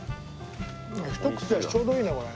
ひと口だしちょうどいいねこれ。